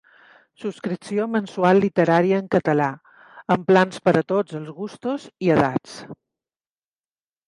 Subscripció mensual literària en català, amb plans per a tots els gustos i edats.